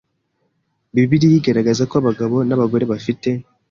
Bibiliya igaragaza ko abagabo n abagore bafite